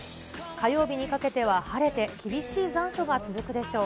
火曜日にかけては晴れて、厳しい残暑が続くでしょう。